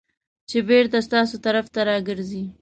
چې بېرته ستاسو طرف ته راګرځي .